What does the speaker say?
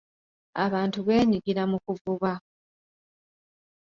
Abantu beenyigira mu kuvuba.